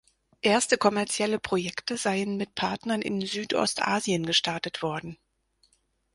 Erste kommerzielle Projekte seien mit Partnern in Südostasien gestartet worden.